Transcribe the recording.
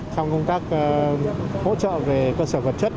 trong công tác hỗ trợ về cơ sở vật chất